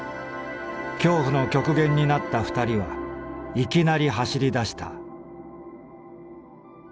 恐怖の極限になった二人はいきなり走り出した」。